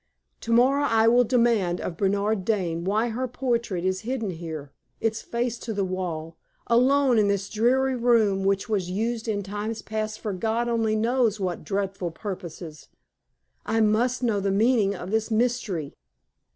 Tomorrow I will demand of Bernard Dane why her portrait is hidden here, its face to the wall, alone in this dreary room which was used in times past for God only knows what dreadful purposes. I must know the meaning of this mystery!"